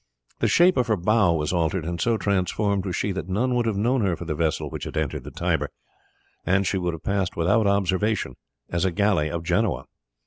The shape of her bow was altered, and so transformed was she that none would have known her for the vessel which had entered the Tiber, and she would have passed without observation as a galley of Genoa.